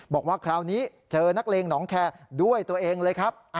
บอกว่าคราวนี้เจอนักเลงหนองแคร์ด้วยตัวเองเลยครับ